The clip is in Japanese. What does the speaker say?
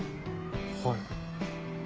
はい。